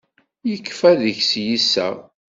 Yekfa deg-s yiseɣ.